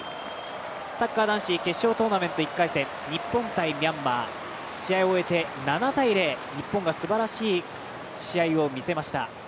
サッカー男子決勝トーナメント１回戦、日本×ミャンマー試合を終えて、７−０日本がすばらしい試合を見せました。